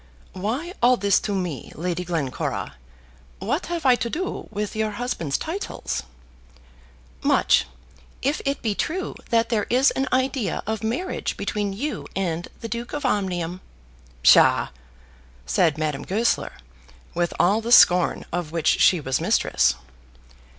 "Why all this to me, Lady Glencora? What have I to do with your husband's titles?" "Much; if it be true that there is an idea of marriage between you and the Duke of Omnium." "Psha!" said Madame Goesler, with all the scorn of which she was mistress.